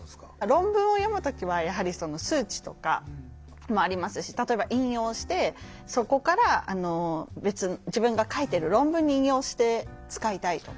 論文を読む時はやはり数値とかもありますし例えば引用してそこから別の自分が書いてる論文に引用して使いたいとか。